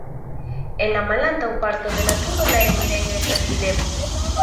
En la malantaŭ parto de la turo la enirejo estas videbla.